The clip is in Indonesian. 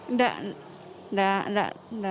nggak nggak ada